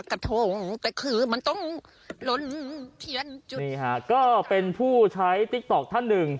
กระทงแต่คือมันต้องล้นเทียนจุดนี่ฮะก็เป็นผู้ใช้ติ๊กต๊อกท่านหนึ่ง